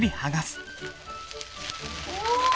お！